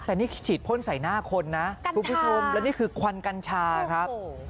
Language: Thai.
แต่นี่ฉีดพ่นใส่หน้าคนนะคุณผู้ชมแล้วนี่คือควันกัญชาครับ